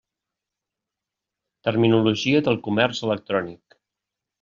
Terminologia del comerç electrònic.